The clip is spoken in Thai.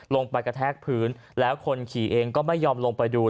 กระแทกพื้นแล้วคนขี่เองก็ไม่ยอมลงไปดู